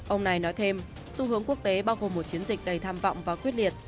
ông này nói thêm xu hướng quốc tế bao gồm một chiến dịch đầy tham vọng và quyết liệt